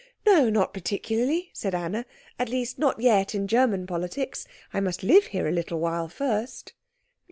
"No, not particularly," said Anna; "at least, not yet in German politics. I must live here a little while first."